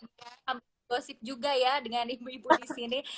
dan juga ya dengan ibu ibu di sini